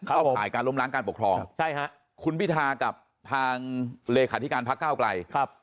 ข่ายการล้มล้างการปกครองคุณพิธากับทางเลขาธิการพักก้าวไกล